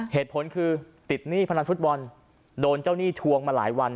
เหตุผลคือติดหนี้พนันฟุตบอลโดนเจ้าหนี้ทวงมาหลายวัน